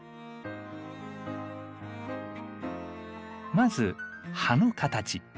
まず葉の形。